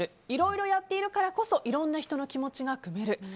いろいろやってるからこそいろんな人の気持ちがくめる。